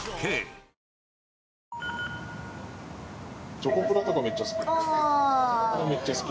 チョコプラとかめっちゃ好き。